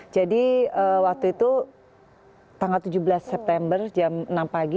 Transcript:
jadi waktu itu tanggal tujuh belas september jam enam pagi